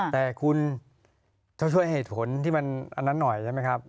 แต่คุณต้องช่วยเหตุผลที่มันอันนั้นหน่อยใช่ไหมครับ